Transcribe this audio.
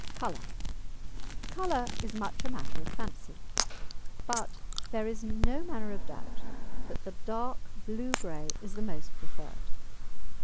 COLOUR Colour is much a matter of fancy. But there is no manner of doubt that the dark blue grey is the most preferred.